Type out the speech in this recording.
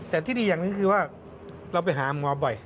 แต่ที่ดีอย่างนี้คือว่าเราไปหาม้อบ่อย